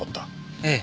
ええ。